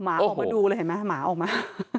หมาดูเลยเห็นไหมหมาออกมา